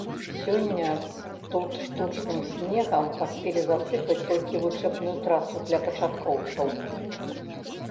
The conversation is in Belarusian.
Сёння тут штучным снегам паспелі засыпаць толькі вучэбную трасу для пачаткоўцаў.